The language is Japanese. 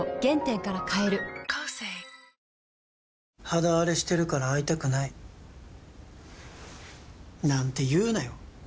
肌あれしてるから会いたくないなんて言うなよ